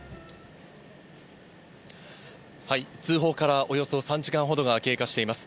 通報からおよそ３時間ほどが経過しています。